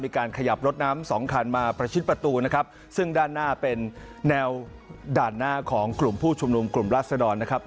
มีการขยับรถน้ำสองคันมาประชิดประตูนะครับซึ่งด้านหน้าเป็นแนวด่านหน้าของกลุ่มผู้ชุมนุมกลุ่มราศดรนะครับ